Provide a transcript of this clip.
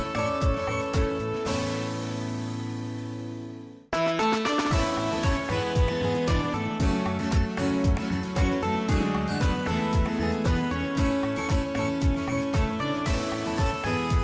ตรงนี้มันแปลงให้ง่าย